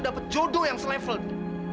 dapat jodoh yang selevel di